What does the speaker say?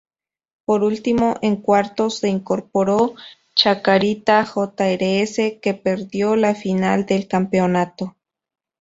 Por último, en cuartos se incorporó Chacarita Jrs., que perdió la final del campeonato.